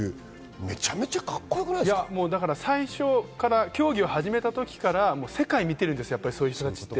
めちゃくちゃカッコよくない競技を始めた時から世界を見ているんですよ、そういう人たちって。